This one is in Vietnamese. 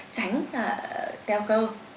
tránh teo câu